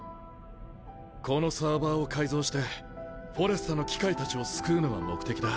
このサーバーを改造してフォレスタの機械たちを救うのが目的だ。